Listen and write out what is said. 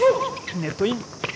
ネットイン！